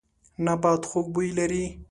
نبات خوږ بوی لري.